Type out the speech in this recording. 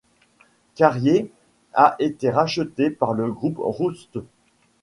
Karrier a été racheté par le Groupe Rootes.